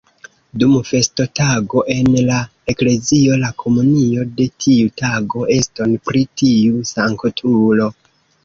Dum festotago, en la eklezio la komunio de tiu tago eston pri tiu sanktulo.